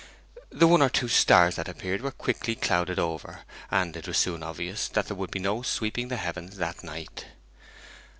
The one or two stars that appeared were quickly clouded over, and it was soon obvious that there would be no sweeping the heavens that night.